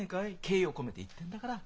敬意を込めて言ってんだから。